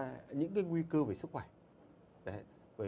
nó cũng gây nguy cơ về sức khỏe